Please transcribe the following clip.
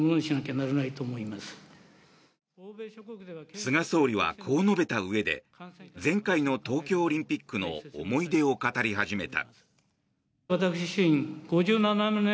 菅総理はこう述べたうえで前回の東京オリンピックの思い出を語り始めた。